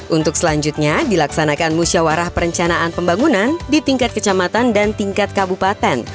untuk selanjutnya dilaksanakan musyawarah perencanaan pembangunan di tingkat kecamatan dan tingkat kabupaten